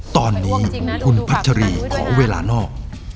ตอนนี้คุณพัชรีขอเวลานอก